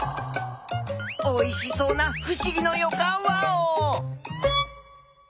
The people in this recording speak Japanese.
おいしそうなふしぎのよかんワオ！